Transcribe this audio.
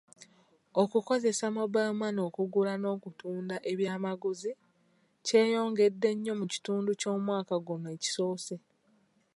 Okukozesa mobile money okugula n'okutunda ebyamaguzi kyeyongedde nnyo mu kitundu ky'omwaka guno ekisoose.